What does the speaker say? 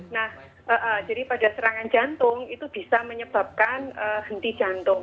nah jadi pada serangan jantung itu bisa menyebabkan henti jantung